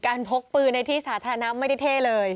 พกปืนในที่สาธารณะไม่ได้เท่เลย